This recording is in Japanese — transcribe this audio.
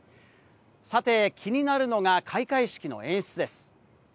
さて気になるのが開会式の演出です。